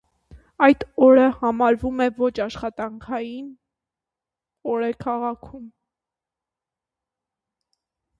Այդ օրը համարվում է ոչ աշխատանքային օր է քաղաքում։